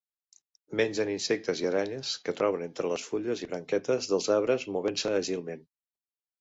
Mengen insectes i aranyes que troben entre les fulles i branquetes dels arbres, movent-se àgilment.